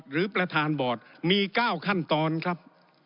หรือประธานบอร์ดมี๙ขั้นตอนครับ